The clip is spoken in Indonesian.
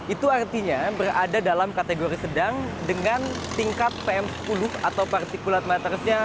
itu artinya berada dalam kategori sedang dengan tingkat pm sepuluh atau particulate mattersnya